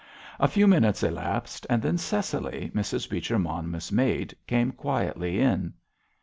A few minutes elapsed, and then Cecily, Mrs. Beecher Monmouth's maid, came quietly in.